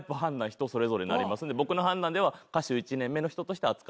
人それぞれになりますんで僕の判断では歌手１年目の人として扱ってる。